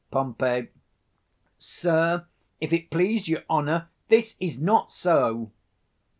Pom. Sir, if it please your honour, this is not so.